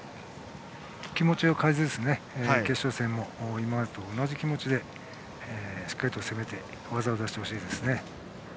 気持ちを変えずに決勝戦も今までと同じ気持ちでしっかりと攻めて技を出してほしいです。